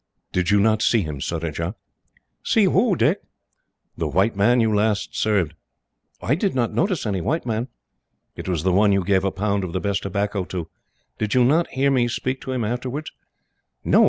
"Did you not see him, Surajah?" "See who, Dick?" "The white man you last served." "I did not notice any white man." "It was the one you gave a pound of the best tobacco to. Did you not hear me speak to him, afterwards?" "No.